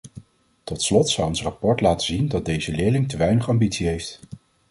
Tot slot zou ons rapport laten zien dat deze leerling te weinig ambitie heeft.